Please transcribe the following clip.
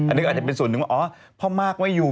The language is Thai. อันนี้ก็อาจจะเป็นส่วนหนึ่งว่าอ๋อพ่อมากไม่อยู่